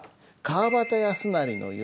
川端康成。